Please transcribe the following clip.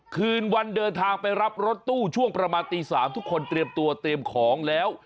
คืนวันเดินทางไปรับรถตู้ช่วงประมาณตี๓ทุกคนเตรียมตัวเตรียมของแล้ว